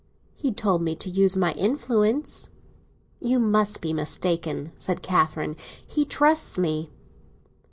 "He told me to use my influence." "You must be mistaken," said Catherine. "He trusts me."